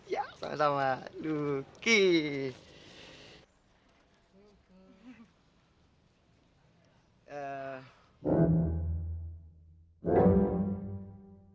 ya sama sama dukis